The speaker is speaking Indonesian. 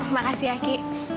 terima kasih aki